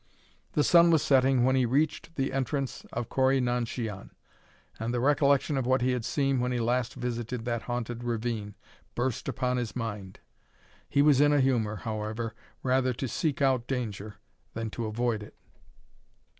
The sun was setting when he reached the entrance of Corri nan shian, and the recollection of what he had seen when he last visited that haunted ravine, burst on his mind. He was in a humour, however, rather to seek out danger than to avoid it.